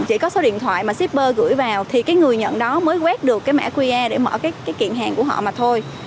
chỉ có số điện thoại mà shipper gửi vào thì cái người nhận đó mới quét được cái mã qr để mở cái kiện hàng của họ mà thôi